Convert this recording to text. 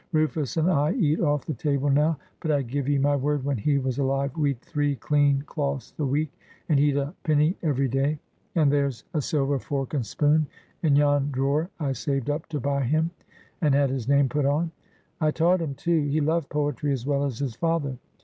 Rufus and I eat off the table now, but I give ye my word when he was alive we'd three clean cloths a week, and he'd a pinny every day; and there's a silver fork and spoon in yon drawer I saved up to buy him, and had his name put on. I taught him too. He loved poetry as well as his father.